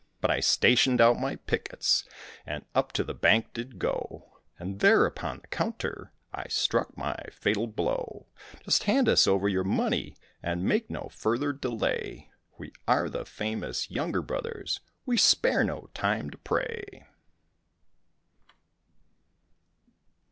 But I stationed out my pickets and up to the bank did go, And there upon the counter I struck my fatal blow. "Just hand us over your money and make no further delay, We are the famous Younger brothers, we spare no time to pray."